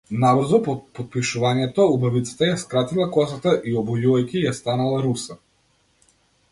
Набрзо по потпишувањето, убавицата ја скратила косата и обојувајќи ја станала руса.